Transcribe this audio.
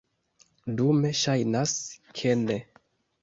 Dume ŝajnas, ke ne.